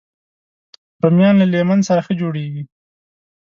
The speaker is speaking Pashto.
رومیان له لیمن سره ښه جوړېږي